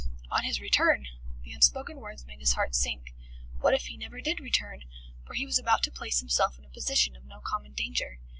On his return! The unspoken words made his heart sink. What if he never did return? For he was about to place himself in a position of no common danger.